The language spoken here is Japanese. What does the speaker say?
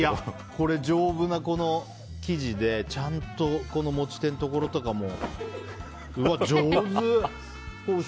これ、丈夫な生地でちゃんと持ち手のところとかも上手。